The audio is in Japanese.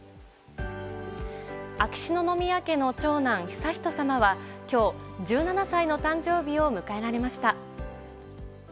秋篠宮家の長男・悠仁さまは今日１７歳の誕生日を迎えられました。